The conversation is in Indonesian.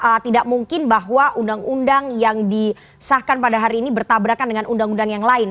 apakah tidak mungkin bahwa undang undang yang disahkan pada hari ini bertabrakan dengan undang undang yang lain